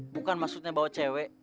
bukan maksudnya bawa cewe